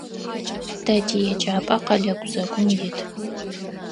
Тэ тиеджапӀэ къэлэ гузэгум ит.